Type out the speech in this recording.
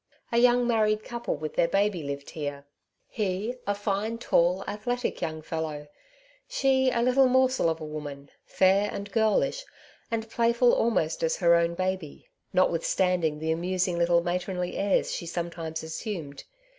A young married couple with their baby lived here ; he a fine tall, athletic young fellow, she a little morsel Netties Neighbours, 137 of a woman, fair and girlish, and playful almost as her own baby, notwithstanding the amusing little matronly airs she sometimes assumed.